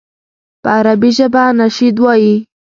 په عربي ژبه نشید ووایي.